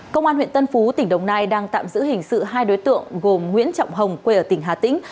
công an huyện tân phú tỉnh đồng nai đang tạm giữ hình sự hai đối tượng gồm nguyễn trọng hồng quê ở tỉnh hà tĩnh